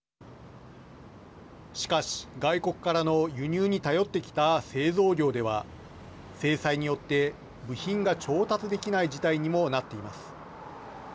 しかし、外国からの輸入に頼ってきた製造業では制裁によって部品が調達できない事態にもなっています。